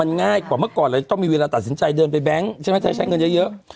มันง่ายกว่าเมื่อก่อนเลยต้องมีเวลาตัดสินใจเดินไปแบงค์ใช้เงินเยอะ